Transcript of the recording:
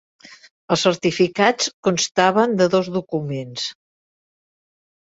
Els certificats constaven de dos documents.